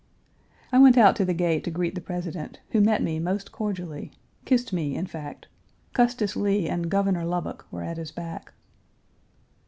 I went out to the gate to greet the President, who met me most cordially; kissed me, in fact. Custis Lee and Governor Lubbock were at his back.